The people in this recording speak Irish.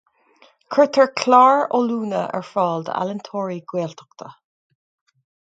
Cuirtear clár oiliúna ar fáil d'ealaíontóirí Gaeltachta.